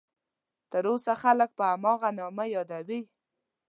تر اوسه خلک په هماغه نامه یادوي.